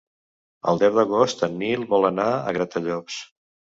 El deu d'agost en Nil vol anar a Gratallops.